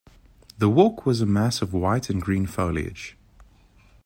The walk was a mass of white and green foliage.